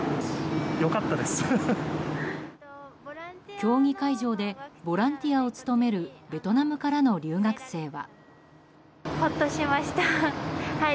競技会場でボランティアを務めるベトナムからの留学生は。